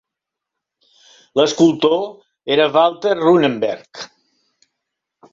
L'escultor era Walter Runeberg.